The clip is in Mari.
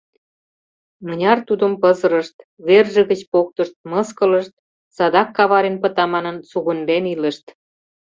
Мыняр тудым пызырышт, верже гыч поктышт, мыскылышт, садак каварен пыта манын, сугыньлен илышт.